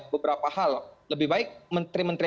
beberapa hal lebih baik menteri menteri